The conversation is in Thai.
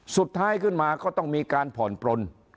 สุดท้ายขึ้นมาก็ต้องมีการผ่อนปลน